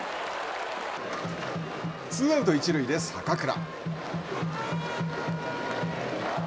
ツーアウト、一塁で坂倉。